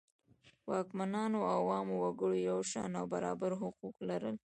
واکمنانو او عامو وګړو یو شان او برابر حقوق لرل.